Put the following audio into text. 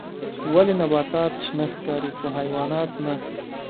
ولې نباتات شنه ښکاري خو حیوانات نه